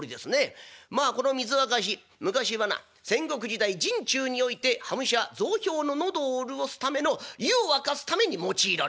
「まあこの水沸かし昔はな戦国時代陣中において端武者雑兵の喉を潤すための湯を沸かすために用いられた」。